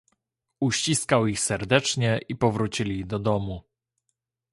"Uściskał ich serdecznie i powrócili do domu."